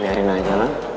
biarin aja lah